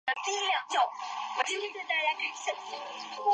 二庙乡是中国山东省临沂市苍山县下辖的一个乡。